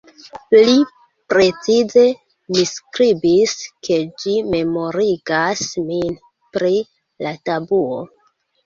Pli precize, mi skribis ke ĝi "memorigas min" pri la tabuo.